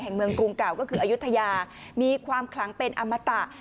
เมืองกรุงเก่าก็คืออายุทยามีความคลังเป็นอมตะ